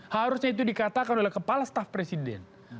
harusnya itu dikatakan oleh kepala staf presiden